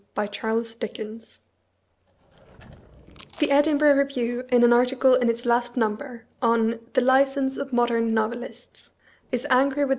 The Edinburgh Review in an article in its last number, on "The License of Modern Novelists," is angry with Me.